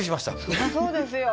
そりゃそうですよ